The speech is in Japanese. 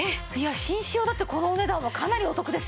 紳士用だってこのお値段はかなりお得ですよね。